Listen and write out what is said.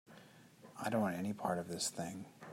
I don't want any part of this thing.